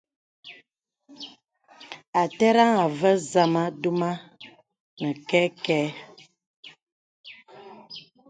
A tɛrəŋ à və̀ zamà duma nə kɛkɛ̄.